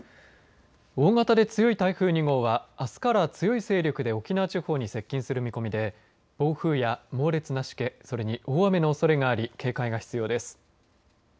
大型で強い台風２号はあすから強い勢力で沖縄地方に接近する見込みで暴風や猛烈なしけそれに大雨のおそれがあり警戒が必要です。